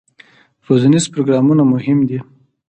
روزنیز پروګرامونه مهم دي